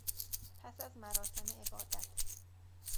پس از مراسم عبادت